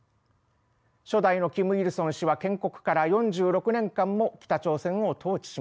初代のキム・イルソン氏は建国から４６年間も北朝鮮を統治しました。